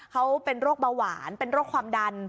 เขาเป็นโรคเบาหวานเป็นโรคความดัน